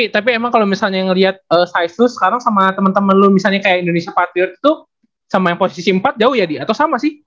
tapi emang kalau misalnya yang ngeliat size lo sekarang sama temen temen lo misalnya kayak indonesia patriot tuh sama yang posisi empat jauh ya di atau sama sih